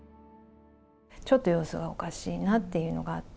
ちょっと様子がおかしいなっていうのがあって。